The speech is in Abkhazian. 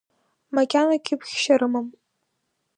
Макьана кьыԥхьшьа рымам.